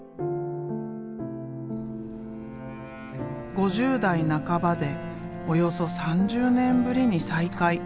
５０代半ばでおよそ３０年ぶりに再開。